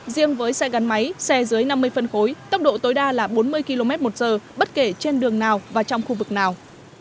riêng với xe gắn máy xe dưới năm mươi phân khối tốc độ tối đa là bốn mươi km một giờ bất kể trên đường nào và trong khu vực nào